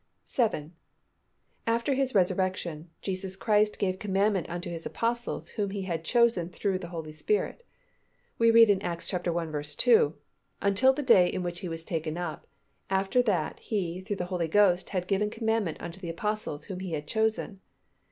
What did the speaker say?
7. After His resurrection, Jesus Christ gave commandment unto His Apostles whom He had chosen through the Holy Spirit. We read in Acts i. 2, "Until the day in which He was taken up, after that He through the Holy Ghost had given commandment unto the Apostles whom He had chosen."